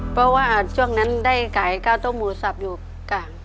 เพราะว่าช่วงนั้นได้ขายข้าวต้มหมูสับอยู่กลาง